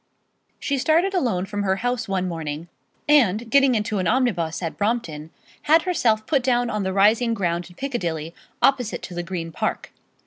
She started alone from her house one morning, and getting into an omnibus at Brompton had herself put down on the rising ground in Piccadilly, opposite to the Green Park.